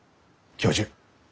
教授